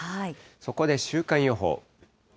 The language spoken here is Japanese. そこで週間予報。